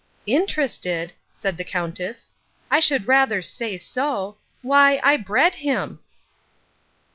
"Interested!" said the Countess. "I should rather say so. Why, I bred him!"